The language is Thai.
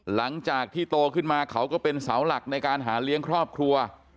หลังจากที่โตขึ้นมาเขาก็เป็นเสาหลักในการหาเลี้ยงครอบครัว